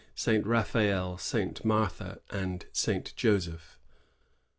Saint Raphael, Saint Martha, and Saint Joseph.